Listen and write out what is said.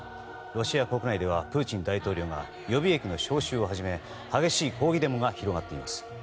ロシア国内ではプーチン大統領が予備役の招集を始め激しい抗議デモが広がっています。